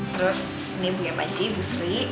terus ini punya panji ibu sri